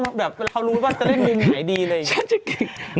เขารู้ว่าจะได้ง่ายดีเลย